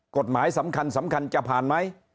กฎหมายสำคัญสำคัญจะผ่านไหม